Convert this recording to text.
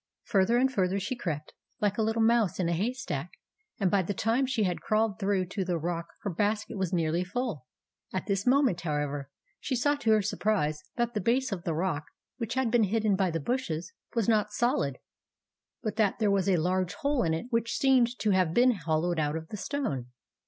Further and further she crept, like a little mouse in a haystack, and by the time she had crawled through to the rock, her basket was nearly full. At this moment, however, she saw to her surprise that the base of the rock, which had been hidden by the bushes, was not solid, but that there was a large hole in it which seemed to have been hollowed out of the stone.